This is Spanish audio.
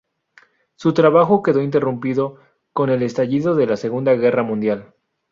Su trabajo quedó interrumpido con el estallido de la Segunda Guerra Mundial.